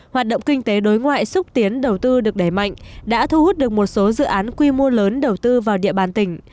hoạt động kinh tế đối ngoại xúc tiến đầu tư được đẩy mạnh đã thu hút được một số dự án quy mô lớn đầu tư vào địa bàn tỉnh